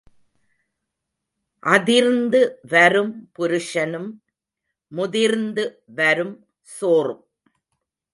அதிர்ந்து வரும் புருஷனும் முதிர்ந்து வரும் சோறும்.